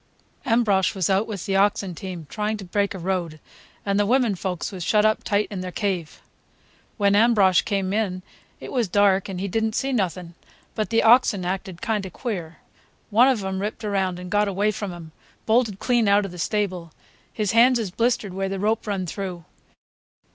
Ambrosch was out with the ox team, trying to break a road, and the women folks was shut up tight in their cave. When Ambrosch come in it was dark and he did n't see nothing, but the oxen acted kind of queer. One of 'em ripped around and got away from him—bolted clean out of the stable. His hands is blistered where the rope run through.